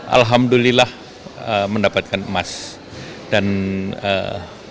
alhamdulillah mendapatkan emas dan ya kita bersyukur saja atlet atlet muda kita bersemangat dan mentalnya mental juara